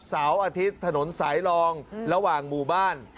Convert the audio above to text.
เท้าอาทิตย์ถนนสายรองระหว่างมุมบ้าน